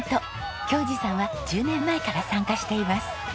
恭嗣さんは１０年前から参加しています。